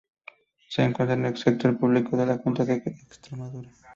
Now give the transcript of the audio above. Se encuentra en el sector público de la Junta de Extremadura.